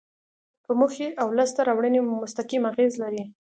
په موخې او لاسته راوړنې مو مستقیم اغیز لري.